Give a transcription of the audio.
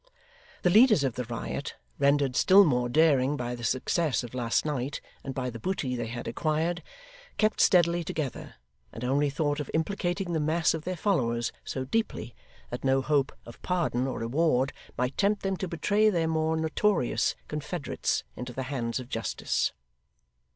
The leaders of the riot, rendered still more daring by the success of last night and by the booty they had acquired, kept steadily together, and only thought of implicating the mass of their followers so deeply that no hope of pardon or reward might tempt them to betray their more notorious confederates into the hands of justice.